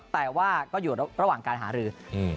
แต่ว่าก็อยู่ระหว่างการหารือ